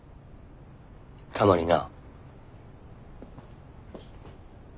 たまにな。